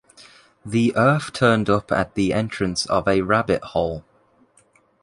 The earth turned up at the entrance of a rabbit-hole.